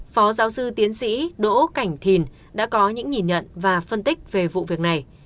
phó giáo sư tiến sĩ đỗ cảnh thìn đã có những nhìn nhận và phân tích về vụ việc này